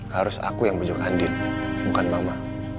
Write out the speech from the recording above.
harus aku yang pujuk andin bukan mama